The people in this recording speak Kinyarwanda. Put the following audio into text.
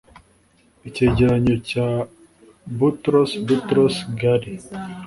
icyegeranyo cya boutros boutros-ghali